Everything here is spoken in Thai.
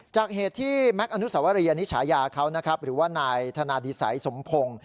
จากเหตุที่แม็กซ์อนุสวรีอันนี้ฉายาเขานะครับหรือว่านายธนาดิสัยสมพงศ์